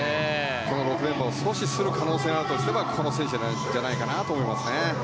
この６連覇を阻止する可能性があるとすればこの選手かなと思いますね。